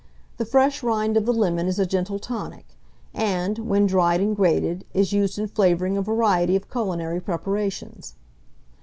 The fresh rind of the lemon is a gentle tonic, and, when dried and grated, is used in flavouring a variety of culinary preparations.